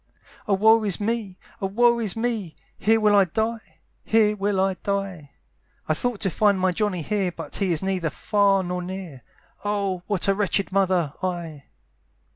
"O woe is me! O woe is me! "Here will I die; here will I die; "I thought to find my Johnny here, "But he is neither far nor near, "Oh! what a wretched mother I!"